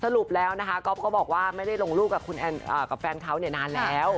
สรุปแล้วนะคะก๊อฟก็บอกว่าไม่ได้ลงรูปกับแฟนเขาเนี่ยนานแล้ว